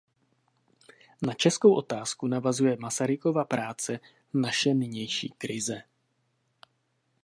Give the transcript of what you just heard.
Na "Českou otázku" navazuje Masarykova práce "Naše nynější krize".